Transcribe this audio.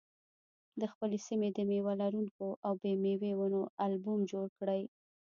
د خپلې سیمې د مېوه لرونکو او بې مېوې ونو البوم جوړ کړئ.